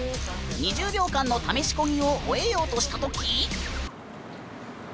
２０秒間の試しこぎを終えようとした時。